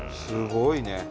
すごいね。